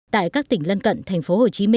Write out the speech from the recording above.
tại các tỉnh lân cận tp hcm